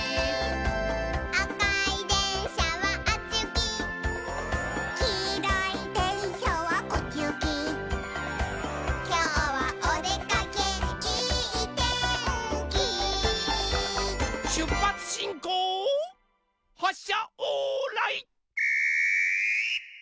「あかいでんしゃはあっちゆき」「きいろいでんしゃはこっちゆき」「きょうはおでかけいいてんき」しゅっぱつしんこうはっしゃオーライ。